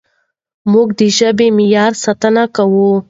موږ د ژبې د معیار ساتنه کوو.